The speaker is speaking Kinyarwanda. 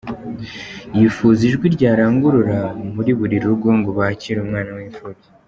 Yifuza ijwi ryarangurura muri buri rugo ngo bakire umwana w’imfubyi.